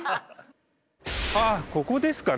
あっここですかね？